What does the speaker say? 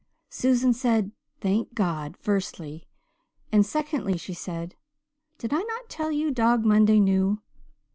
Susan said 'Thank God,' firstly, and secondly she said 'Did I not tell you Dog Monday knew?'